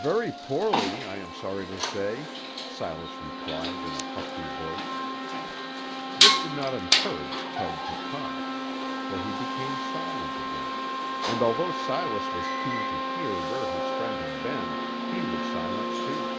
"Very poorly, I am sorry to say," Silas replied, in a husky voice. This did not encourage Tug to talk, for he became silent again, and although Silas was keen to hear where his friend had been, he was silent, too.